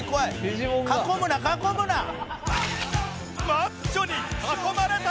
マッチョに囲まれた！